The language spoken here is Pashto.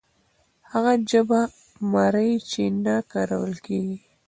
هغه ژبه مري چې نه کارول کیږي.